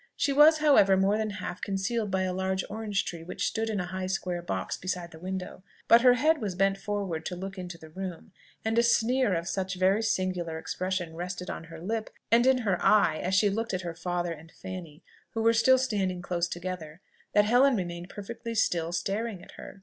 She was, however, more than half concealed by a large orange tree which stood in a high square box beside the window; but her head was bent forward to look into the room, and a sneer of such very singular expression rested on her lip and in her eye as she looked at her father and Fanny, who were still standing close together, that Helen remained perfectly still, staring at her.